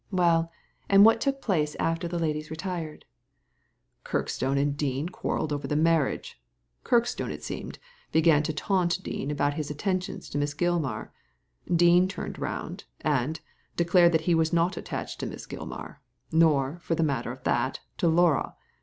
'' Well, and what took place after the ladies retired ?"*' Kirkstone and Dean quarrelled over the marriage. Kirkstone, it seemed, began to taunt Dean about his attentions to Miss Oilman Dean turned round, and declared that he was not attached to Miss Gilmar ; nor, for the matter of that, to Laura.